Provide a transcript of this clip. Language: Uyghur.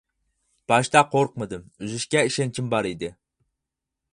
باشتا قورقمىدىم، ئۈزۈشكە ئىشەنچىم بار ئىدى.